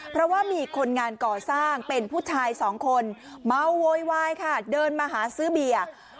เพราะว่ามีคนงานก่อสร้างเป็นผู้ชายสองคนเมาโวยวายค่ะเดินมาหาซื้อเบียร์